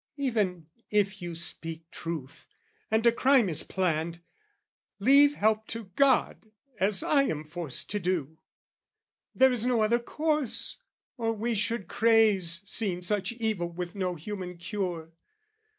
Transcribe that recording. "Even if you speak truth and a crime is planned, "Leave help to God as I am forced to do! "There is no other course, or we should craze, "Seeing such evil with no human cure.